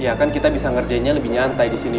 ya kan kita bisa ngerjainnya lebih nyantai disini